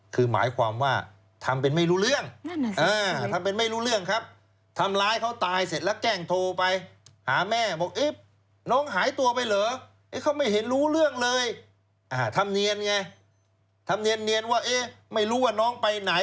คือหมายความว่าทำเป็นไม่รู้เรื่อง